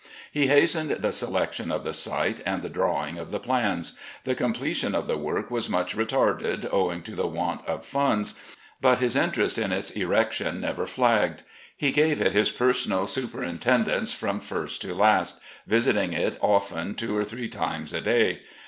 He hastened the selection of the site and the drawing of the plans. The completion of the •work was much retarded owing to the •want of funds, but his interest in its erection never flagged. He gave it his personal superintendence from first to last, ■visiting it often two or three times a day.